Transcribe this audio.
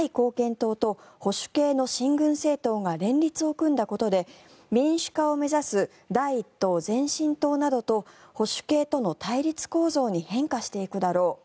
党と保守系の親軍政党が連立を組んだことで民主化を目指す第１党、前進党などと保守系との対立構造に変化していくだろう。